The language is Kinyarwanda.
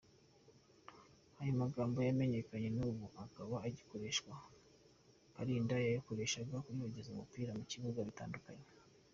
Aya magambo yamenyekanye na nubu akaba agikoreshwa, Kalinda yayakoreshaga yogeza umupira ku bibuga bitandukanye.